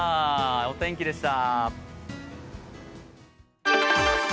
お天気でした。